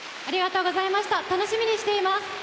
楽しみにしています。